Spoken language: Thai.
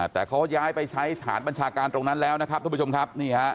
แต่เขาย้ายไปใช้ฐานบัญชาการตรงนั้นแล้วนะครับทุกผู้ชมครับ